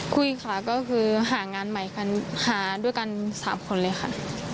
คุยค่ะก็คือหางานใหม่กันหาด้วยกัน๓คนเลยค่ะ